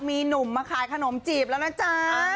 มีหนุ่มมาขายขนมจีบแล้วนะจ๊ะ